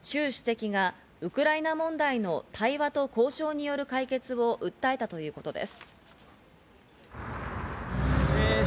この中ではシュウ主席がウクライナ問題の対話と交渉による解決を訴えたということです。